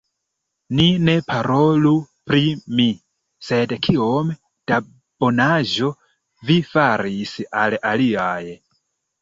Ni ne parolu pri mi, sed kiom da bonaĵo vi faris al aliaj!